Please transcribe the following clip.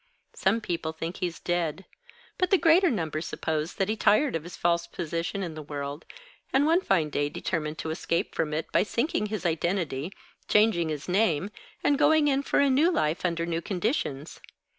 Some people think he's dead. But the greater number suppose that he tired of his false position in the world, and one fine day determined to escape from it, by sinking his identity, changing his name, and going in for a new life under new conditions.